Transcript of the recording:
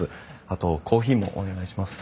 あとコーヒーもお願いします。